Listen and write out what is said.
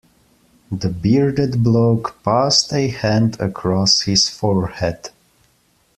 The bearded bloke passed a hand across his forehead.